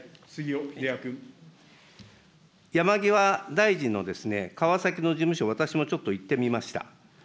山際大臣のかわさきの事務所、私もちょっと行ってみました。